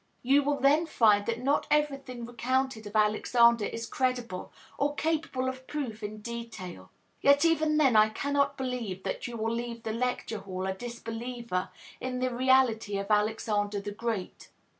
You will then find that not everything recounted of Alexander is credible, or capable of proof in detail; yet even then I cannot believe that you will leave the lecture hall a disbeliever in the reality of Alexander the Great.